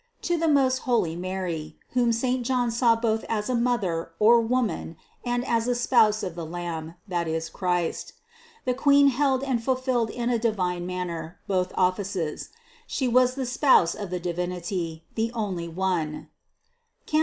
248) to the most holy Mary, whom St. John saw both as a Mother, or Woman, and as a Spouse of the Lamb, that is Christ. The Queen held and fulfilled in divine manner both offices. She was the Spouse of the Divinity, the only One (Cant.